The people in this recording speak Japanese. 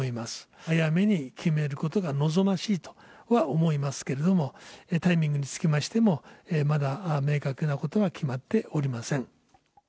早めに決めることが望ましいとは思いますけれども、タイミングにつきましても、まだ明確なことが決まっておりません。